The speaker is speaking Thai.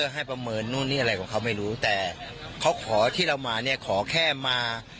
ให้ประเมินนู่นนี่อะไรของเขาไม่รู้แต่เขาขอที่เรามาเนี่ยขอแค่มา